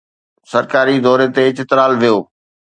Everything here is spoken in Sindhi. سرڪاري دوري تي چترال ويو